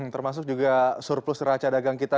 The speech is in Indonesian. termasuk juga surplus raja dagangnya